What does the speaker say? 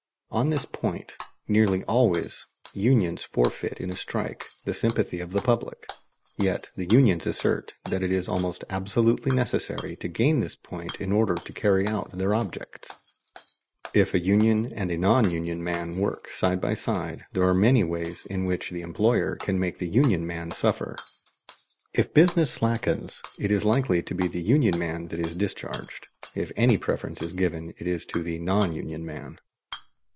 On this point, nearly always, unions forfeit in a strike the sympathy of the public; yet the unions assert that it is almost absolutely necessary to gain this point in order to carry out their objects. If a union and a non union man work side by side there are many ways in which the employer may make the union man suffer. If business slackens, it is likely to be the union man that is discharged; if any preference is given, it is to the non union man.